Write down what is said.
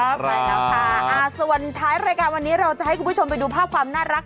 ใช่แล้วค่ะส่วนท้ายรายการวันนี้เราจะให้คุณผู้ชมไปดูภาพความน่ารัก